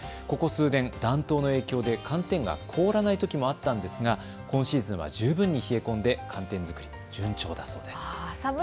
ここ数年、暖冬の影響で寒天が凍らないときもあったんですが今シーズンは十分に冷え込んで寒天作りは順調だそうです。